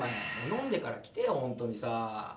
「飲んでから来てよホントにさ」